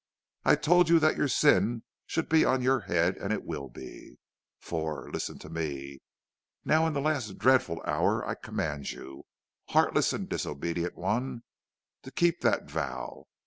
I told you that your sin should be on your head; and it will be. For, listen to me: now in this last dreadful hour, I command you, heartless and disobedient one, to keep that vow.